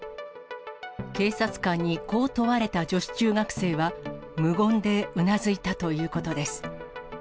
警察官にこう問われた女子中学生は、無言でうなずいたということです。